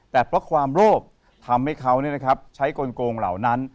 แต่เพราะความโลภทำให้เขาใช้กลงเหล่านั้น